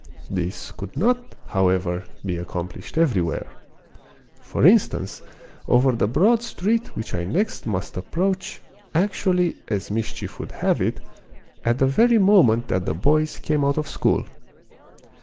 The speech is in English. This could not, however, be accomplished everywhere; for instance, over the broad street which I next must approach actually, as mischief would have it, at the very moment that the boys came out of school.